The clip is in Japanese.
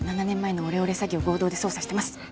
７年前のオレオレ詐欺を合同で捜査してます。